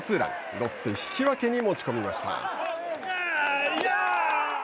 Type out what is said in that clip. ロッテ引き分けに持ち込みました。